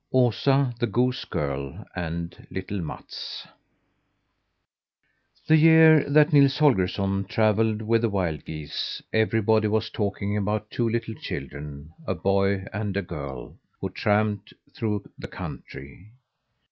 OSA, THE GOOSE GIRL, AND LITTLE MATS The year that Nils Holgersson travelled with the wild geese everybody was talking about two little children, a boy and a girl, who tramped through the country.